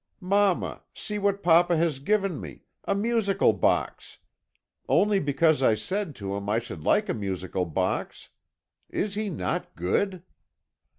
"'Mamma, see what papa has given me a musical box! Only because I said to him I should like a musical box! Is he not good?'